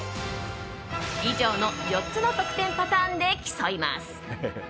以上の４つの得点パターンで競います。